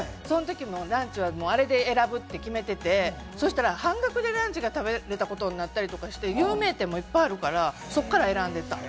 その時、ランチはあれで選ぶって決めてて、そしたら半額でランチが食べられたことになったりして、有名店もいっぱいあるから、そこから選んでた。